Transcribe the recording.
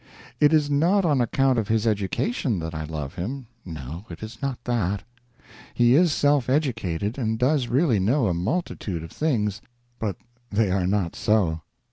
It is not on account of his education that I love him no, it is not that. He is self educated, and does really know a multitude of things, but they are not so.